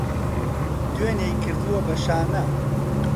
دوێنێی کردوە بە شانە